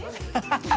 ハハハハ。